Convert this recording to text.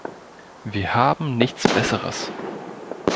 Wir haben nichts Besseres!